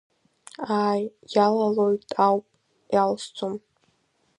Ааи, иалалоит ауп, иалсӡом.